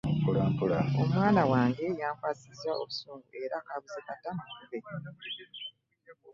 Omwana wange yankwasizza obusungu era kaabuze kata mmukube.